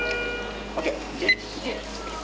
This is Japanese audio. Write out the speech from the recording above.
ＯＫ！